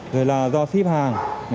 rồi là do xếp hàng